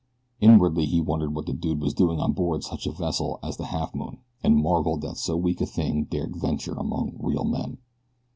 Inwardly he wondered what the dude was doing on board such a vessel as the Halfmoon, and marveled that so weak a thing dared venture among real men.